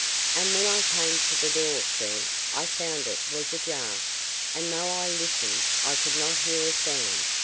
"And when I came to the door, sir, I found it was ajar, and though I listened, I could not hear a sound.